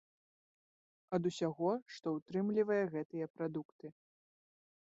Ад усяго, што ўтрымлівае гэтыя прадукты.